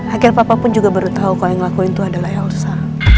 akhirnya papa pun juga baru tau kalau yang ngelakuin itu adalah elsa